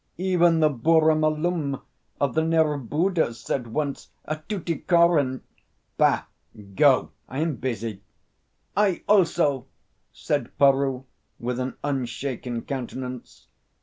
Even the Burra Malum of the Nerbudda said once at Tuticorin " "Bah! Go! I am busy." "I, also!" said Peroo, with an unshaken countenance.